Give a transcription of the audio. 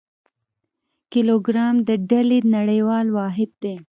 کیلوګرام د ډلي نړیوال واحد دی.